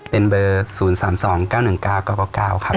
เป็นเบอร์๐๓๒๙๑๙๙ครับ